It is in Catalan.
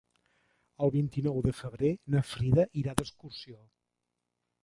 El vint-i-nou de febrer na Frida irà d'excursió.